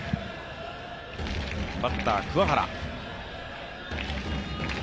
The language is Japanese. バッター・桑原。